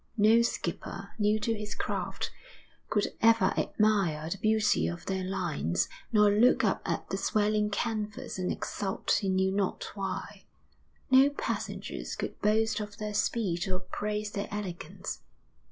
No skipper, new to his craft, could ever admire the beauty of their lines, nor look up at the swelling canvas and exult he knew not why; no passengers would boast of their speed or praise their elegance.